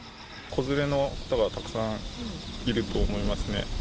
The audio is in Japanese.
子連れの人がたくさんいると思いますね。